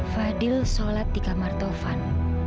fadl sholat di kamar tuhan